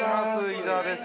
伊沢です。